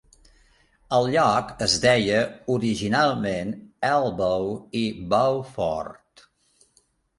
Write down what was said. El lloc es deia originalment Elbow i Bow Fort.